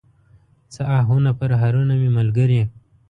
څه آهونه، پرهرونه مې ملګري